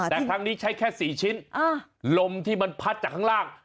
แต่ครั้งนี้ใช้แค่๔ชิ้นลมที่มันพัดจากข้างล่าง